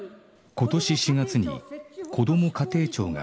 今年４月にこども家庭庁が発足する